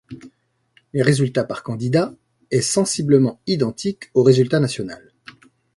Les résultats par candidats est sensiblement identique au résultat national.